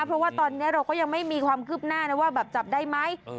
เพราะว่าตอนนี้เราก็ยังไม่มีความคืบหน้านะว่าแบบจับได้ไหม